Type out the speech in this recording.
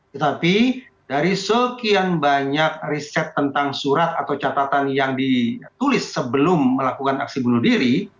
tetapi dari sekian banyak riset tentang surat atau catatan yang ditulis sebelum melakukan aksi bunuh diri